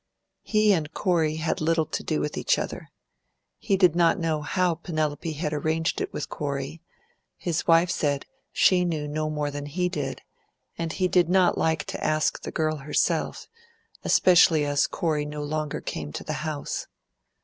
He and Corey had little to do with each other. He did not know how Penelope had arranged it with Corey; his wife said she knew no more than he did, and he did not like to ask the girl herself, especially as Corey no longer came to the house.